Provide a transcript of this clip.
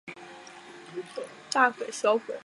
南方铁路是英国的一家铁路客运公司。